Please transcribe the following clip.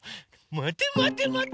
まてまてまて。